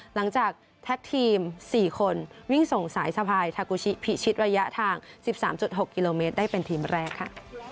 แท็กทีม๔คนวิ่งส่งสายสะพายทากูชิพิชิตระยะทาง๑๓๖กิโลเมตรได้เป็นทีมแรกค่ะ